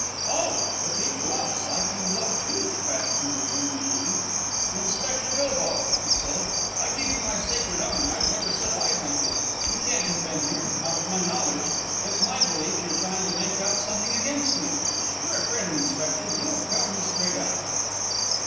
"Oh! if he bluffs, I can bluff too," passed through Leander's mind. "Inspector Bilbow," he said, "I give you my sacred honour, I've never set eyes on him. He can't have been here, not with my knowledge. It's my belief you're trying to make out something against me. If you're a friend, Inspector, you'll tell me straight out."